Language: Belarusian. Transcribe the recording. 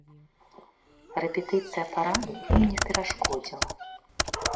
Рэпетыцыя параду ім не перашкодзіла.